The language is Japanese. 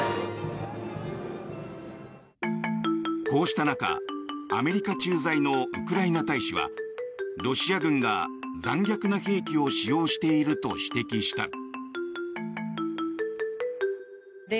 こうした中アメリカ駐在のウクライナ大使はロシア軍が残虐な兵器を使用していると指摘した。